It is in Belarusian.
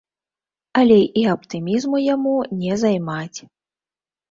Але і аптымізму яму не займаць.